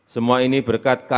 semua ini berkat karakter moderat